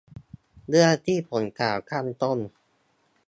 เรื่องที่ผมกล่าวข้างต้น